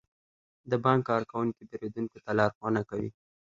د بانک کارکونکي پیرودونکو ته لارښوونه کوي.